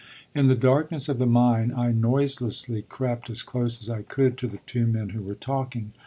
In the darkness of the mine I noiselessly crept as close as I could to the two men who were talking.